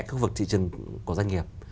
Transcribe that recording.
các vực thị trường của doanh nghiệp